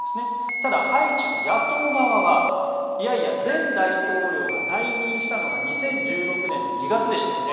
ただ、ハイチの野党側はいやいや前大統領が退任したのが２０１６年の２月ですよね。